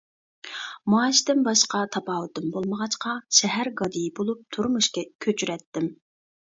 مائاشتىن باشقا تاپاۋىتىم بولمىغاچقا شەھەر گادىيى بولۇپ تۇرمۇش كۆچۈرەتتىم.